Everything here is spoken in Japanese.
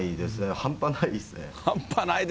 半端ないですね。